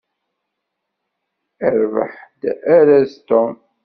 Irbeḥ-d araz Tom.